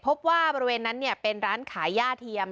พบว่าบริเวณนั้นเป็นร้านขายย่าเทียม